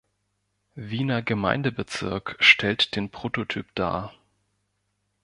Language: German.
Wiener Gemeindebezirk stellt den Prototyp dar.